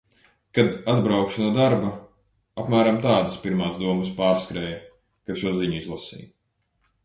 Kad atbraukšu no darba... apmēram tādas pirmās domas pārskrēja, kad šo ziņu izlasīju...